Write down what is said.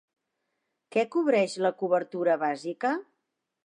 Què cobreix la cobertura bàsica?